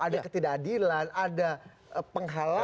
ada ketidakadilan ada penghalangan